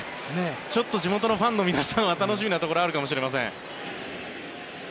ちょっと地元のファンの皆さんは楽しみなところがあるかもしれません。